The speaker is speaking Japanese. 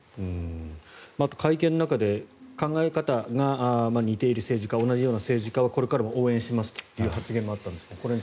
あと会見の中で考え方が似ている政治家同じような政治家をこれからも応援するという発言がありましたが。